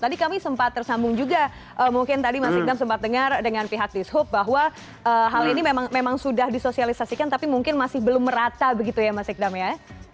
tadi kami sempat tersambung juga mungkin tadi mas ikdam sempat dengar dengan pihak dishub bahwa hal ini memang sudah disosialisasikan tapi mungkin masih belum merata begitu ya mas ikdam ya